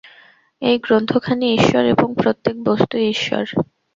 এই গ্রন্থখানি ঈশ্বর এবং প্রত্যেক বস্তুই ঈশ্বর।